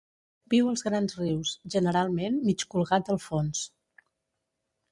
Viu als grans rius, generalment mig colgat al fons.